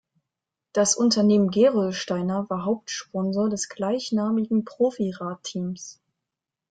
Das Unternehmen "Gerolsteiner" war Hauptsponsor des gleichnamigen Profi-Radteams.